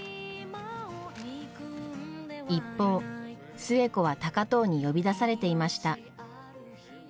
一方寿恵子は高藤に呼び出されていました。